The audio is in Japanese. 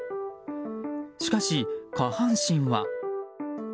しかし、下半身は。